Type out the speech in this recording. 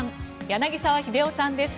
柳澤秀夫さんです。